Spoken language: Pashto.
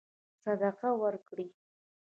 صدقه ورکړي.